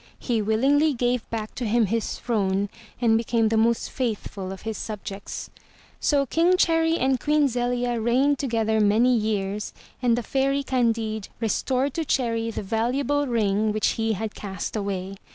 He willingly gave back to him his throne and became the most faithful of his subjects. So King Cherry and Queen Zelia reigned together many years and the Fairy Candide restored to Cherry the valuable ring which he had cast away.